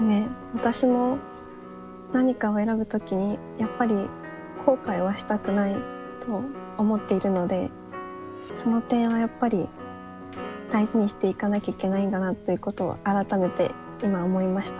私も何かを選ぶ時にやっぱり後悔はしたくないと思っているのでその点はやっぱり大事にしていかなきゃいけないんだなということを改めて今思いました。